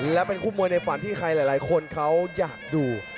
และเป็นคู่มวยในฝันที่ใครหลายคนเขาอยากดู